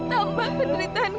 dia tambah sakit gara gara kamu